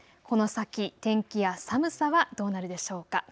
この先、天気や寒さはどうなるでしょうか。